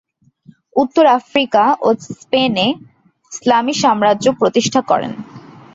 উত্তর আফ্রিকা ও স্পেনে ইসলামী সম্রাজ্য প্রতিষ্ঠা করেন।